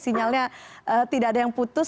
sinyalnya tidak ada yang putus